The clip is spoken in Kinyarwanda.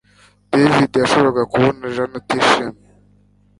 David yashoboraga kubona ko Jane atishimye